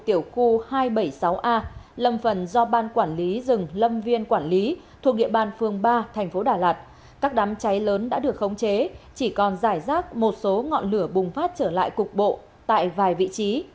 tiểu khu hai trăm bảy mươi sáu a lâm phần do ban quản lý rừng lâm viên quản lý thuộc địa bàn phường ba thành phố đà lạt các đám cháy lớn đã được khống chế chỉ còn giải rác một số ngọn lửa bùng phát trở lại cục bộ tại vài vị trí